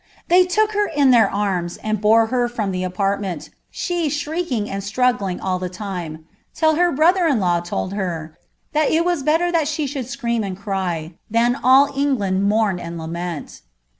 They took her in their I bore her from the apartment, she shrieking and struggling all till her brother in law told her, ^ that it was better she should nd cry, than all England mourn and lament."'